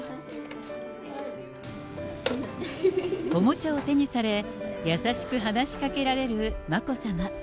おもちゃを手にされ、優しく話しかけられる眞子さま。